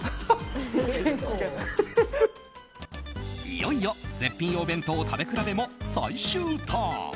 いよいよ絶品お弁当食べ比べも最終ターン。